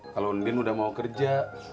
halo undin udah mau kerja